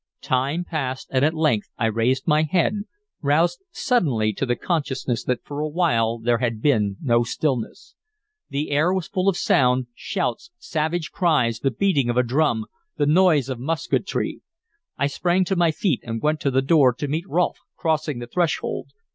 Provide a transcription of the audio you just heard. Time passed, and at length I raised my head, roused suddenly to the consciousness that for a while there had been no stillness. The air was full of sound, shouts, savage cries, the beating of a drum, the noise of musketry. I sprang to my feet, and went to the door to meet Rolfe crossing the threshold.